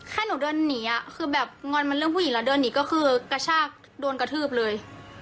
ให้หนูเดินหนีอ่ะคือแบบงอนมันเรื่องผู้หญิงแล้วเดินหนีก็คือกระชากโดนกระทืบเลย